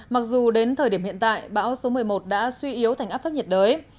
mặc dù đến thời điểm hiện tại bão số một mươi một đã suy yếu thành áp thấp nhiệt đới